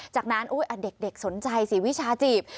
จากนั้นอุ๊ยอ่ะเด็กสนใจสิวิชาจีบ